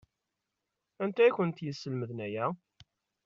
Anta i kent-yeslemden aya?